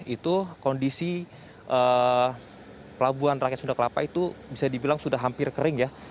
itu kondisi pelabuhan rakyat sunda kelapa itu bisa dibilang sudah hampir kering ya